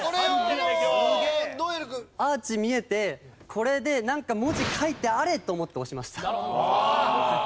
これでなんか文字書いてあれ！と思って押しました。